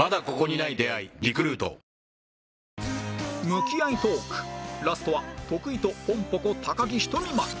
向き合いトークラストは徳井とぽんぽこ高木ひとみ○